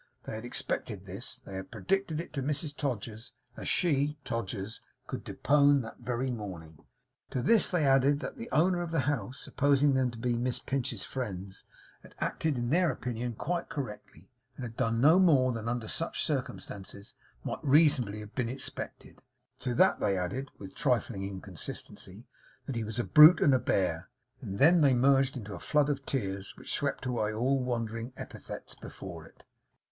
They had expected this. They had predicted it to Mrs Todgers, as she (Todgers) could depone, that very morning. To this, they added, that the owner of the house, supposing them to be Miss Pinch's friends, had acted, in their opinion, quite correctly, and had done no more than, under such circumstances, might reasonably have been expected. To that they added (with a trifling inconsistency), that he was a brute and a bear; and then they merged into a flood of tears, which swept away all wandering epithets before it.